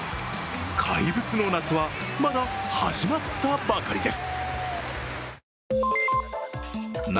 怪物の夏は、まだ始まったばかりです。